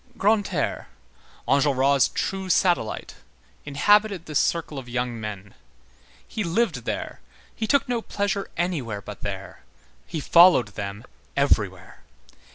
Grantaire, Enjolras' true satellite, inhabited this circle of young men; he lived there, he took no pleasure anywhere but there; he followed them everywhere.